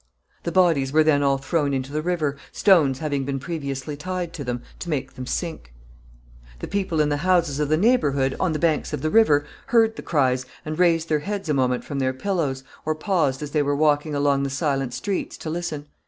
The bodies were then all thrown into the river, stones having been previously tied to them to make them sink. [Sidenote: Cries.] The people in the houses of the neighborhood, on the banks of the river, heard the cries, and raised their heads a moment from their pillows, or paused as they were walking along the silent streets to listen.